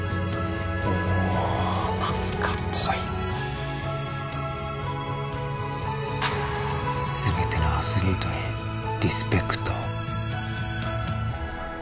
おお何かぽい「すべてのアスリートにリスペクトを」